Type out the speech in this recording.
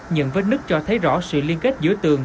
những vết nứt cho thấy rõ sự liên kết giữa tường